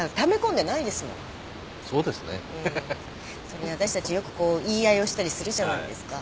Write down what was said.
それに私たちよくこう言い合いをしたりするじゃないですか。